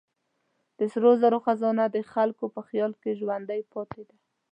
د سرو زرو خزانه د خلکو په خیال کې ژوندۍ پاتې ده.